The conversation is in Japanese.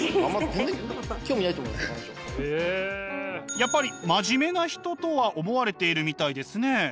やっぱり真面目な人とは思われているみたいですね。